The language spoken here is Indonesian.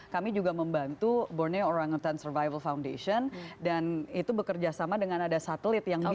kemudian sawit industri sawit yang